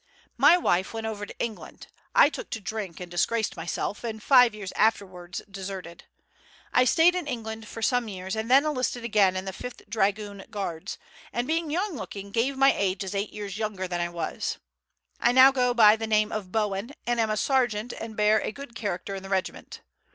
My wife went over to England. I took to drink and disgraced myself, and five years afterwards deserted. I stayed in England for some years and then enlisted again in the 5th Dragoon Guards, and being young looking gave my age as eight years younger than I was. I now go by the name of Bowen, and am a sergeant and bear a good character in the regiment.